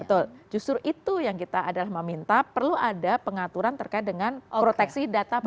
betul justru itu yang kita adalah meminta perlu ada pengaturan terkait dengan proteksi data pribadi